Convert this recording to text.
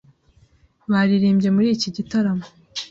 baririmbye muri iki gitaramo